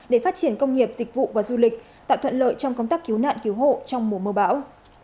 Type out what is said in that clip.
để phát triển công nghiệp dịch vụ và du lịch tạo thuận lợi trong công tác cứu nạn cứu hộ trong mùa mưa bão